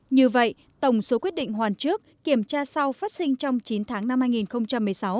như vậy tổng số quyết định hoàn trước kiểm tra sau phát sinh trong chín tháng năm hai nghìn một mươi sáu